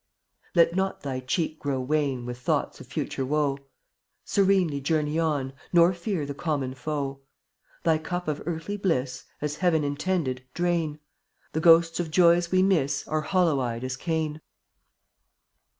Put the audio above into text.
79 Let not thy cheek grow wan With thoughts of future woe; Serenely journey on, Nor fear the common foe. Thy cup of earthly bliss, As Heaven intended, drain; The ghosts of joys we miss Are hollow eyed as Cain.